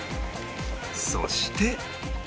そして